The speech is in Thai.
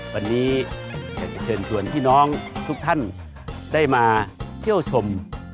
วันนี้อยากจะเชิญชวนพี่น้องทุกท่านได้มาเที่ยวชม